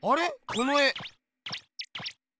この絵。